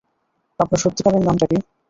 আপনার সত্যিকারের নামটা কী?